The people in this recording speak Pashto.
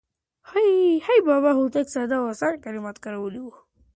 بابا هوتک ساده او اسان کلمات کارولي دي.